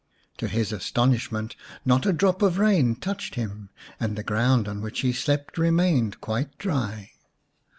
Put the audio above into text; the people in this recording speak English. To his astonishment not a drop of rain touched him, and the ground on which he slept remained quite dry.